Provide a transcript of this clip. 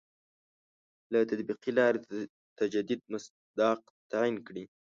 له تطبیقي لاري د تجدید مصداق تعین کړي.